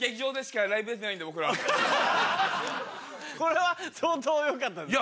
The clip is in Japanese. これは相当良かったですか？